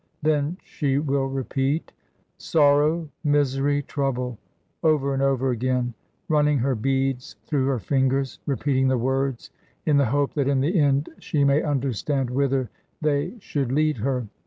Then she will repeat, 'Sorrow, misery, trouble,' over and over again, running her beads through her fingers, repeating the words in the hope that in the end she may understand whither they should lead her.